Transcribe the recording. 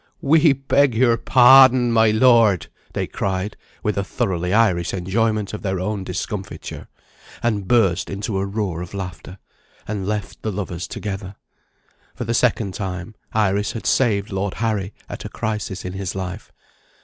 "We beg your pardon, my lord," they cried, with a thoroughly Irish enjoyment of their own discomfiture and burst into a roar of laughter and left the lovers together. For the second time, Iris had saved Lord Harry at a crisis in his life.